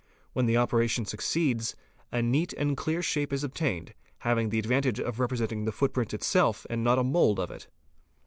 When the operation succeeds, a neat and clear shape is obtained, having the advantage of representing the footprint itself and not a mould of it.